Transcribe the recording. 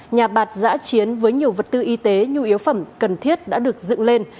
nhà bạc giã chiến với nhiều vật tư y tế nhu yếu phẩm cần thiết đã được dựng lên